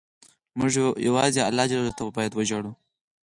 موږ یوازې الله ته وژاړو.